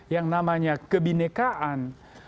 yang namanya kebinekaan